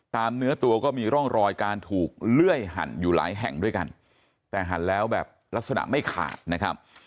เนื้อตัวก็มีร่องรอยการถูกเลื่อยหั่นอยู่หลายแห่งด้วยกันแต่หั่นแล้วแบบลักษณะไม่ขาดนะครับ